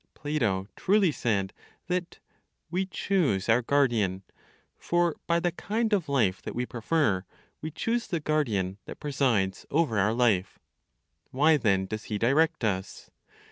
Plato truly said that "we choose our guardian"; for, by the kind of life that we prefer, we choose the guardian that presides over our life. Why then does He direct us?